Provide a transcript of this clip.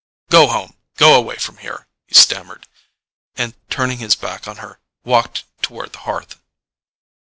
"Go home! Go away from here"——he stammered, and turning his back on her walked toward the hearth.